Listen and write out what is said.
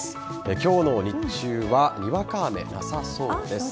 今日の日中はにわか雨、なさそうです。